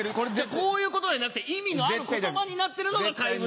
こういうことじゃなくて意味のある言葉になってるのが回文。